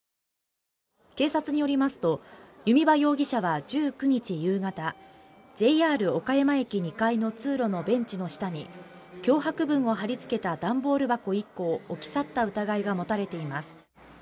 警察によりますと、弓場容疑者は１９日夕方、ＪＲ岡山駅２階の通路のベンチの下に脅迫文を貼り付けた段ボール箱１個を置き去った疑いが持たれています。